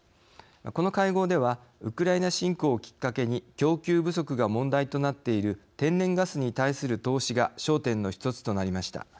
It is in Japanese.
この会合ではウクライナ侵攻をきっかけに供給不足が問題となっている天然ガスに対する投資が焦点の一つとなりました。